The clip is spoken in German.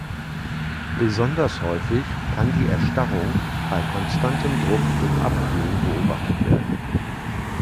Besonders häufig kann die Erstarrung bei konstantem Druck durch Abkühlen beobachtet werden.